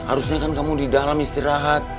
harusnya kan kamu di dalam istirahat